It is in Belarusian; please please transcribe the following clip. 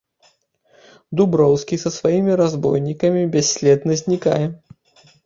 Дуброўскі са сваімі разбойнікамі бясследна знікае.